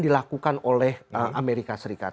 dilakukan oleh amerika serikat